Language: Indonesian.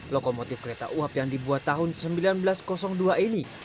lokomotif kereta uap yang dibuat tahun seribu sembilan ratus dua ini